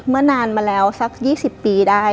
เมื่อนานมาแล้วสัก๒๐ปีได้